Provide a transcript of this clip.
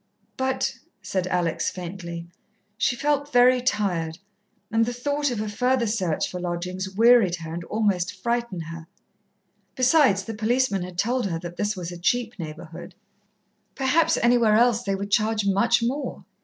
"But " said Alex faintly. She felt very tired, and the thought of a further search for lodgings wearied her and almost frightened her. Besides, the policeman had told her that this was a cheap neighbourhood. Perhaps anywhere else they would charge much more.